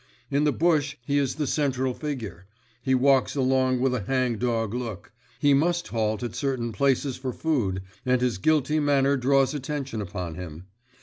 In the bush he is the central figure; he walks along with a hang dog look; he must halt at certain places for food, and his guilty manner draws attention upon him.